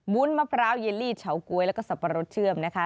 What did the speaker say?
ุ้นมะพร้าวเยลลี่เฉาก๊วยแล้วก็สับปะรดเชื่อมนะคะ